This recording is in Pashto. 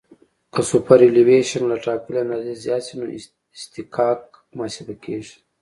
که سوپرایلیویشن له ټاکلې اندازې زیات شي نو اصطکاک محاسبه کیږي